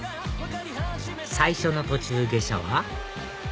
最初の途中下車は？